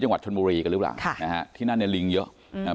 จังหวัดชนบุรีกันหรือเปล่าค่ะนะฮะที่นั่นเนี่ยลิงเยอะอืมอ่า